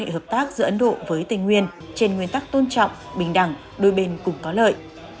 hợp tác giữa ấn độ với tây nguyên trên nguyên tắc tôn trọng bình đẳng đôi bên cũng có lợi